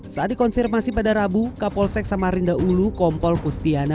saat dikonfirmasi pada rabu kapolsek samarinda ulu kompol kustiana